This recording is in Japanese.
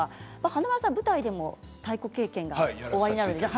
華丸さん舞台でも太鼓経験がありますね。